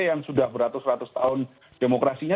yang sudah beratus ratus tahun demokrasinya